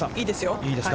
いいですよ。